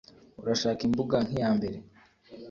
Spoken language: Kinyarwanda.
Urashaka imbuga nk'iyambere